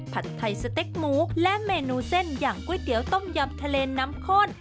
ผัดไทยสเต็กหมูและเมนูเส้นอย่างก๋วยเตี๋ยวต้มยำทะเลน้ำข้น